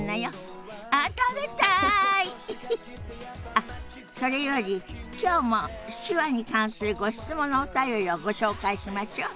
あっそれより今日も手話に関するご質問のお便りをご紹介しましょ。